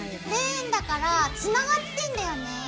レーンだからつながってんだよね。